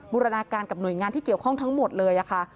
ูรณาการกับหน่วยงานที่เกี่ยวข้องทั้งหมดเลยค่ะ